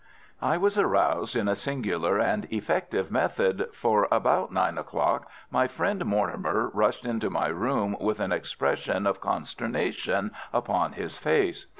I was aroused in a singular and effective method, for about nine o'clock my friend Mortimer rushed into my room with an expression of consternation upon his face.